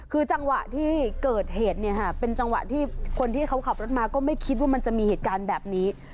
คือจังหวะที่เกิดเหตุเนี่ยค่ะเป็นจังหวะที่คนที่เขาขับรถมาก็ไม่คิดว่ามันจะมีเหตุการณ์แบบนี้